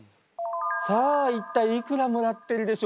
さあ一体いくらもらってるでしょう？